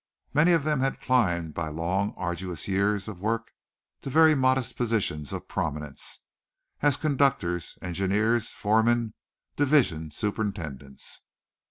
Most of them had climbed by long, arduous years of work to very modest positions of prominence, as conductors, engineers, foremen, division superintendents.